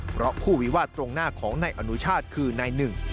เพราะคู่วิวาสตรงหน้าของนายอนุชาติคือนายหนึ่ง